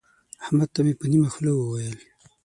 احمد ته مې په نيمه خوله وويل.